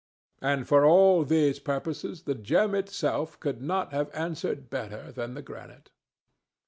And for all these purposes the gem itself could not have answered better than the granite.